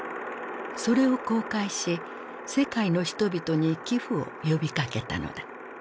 それを公開し世界の人々に寄付を呼びかけたのだ。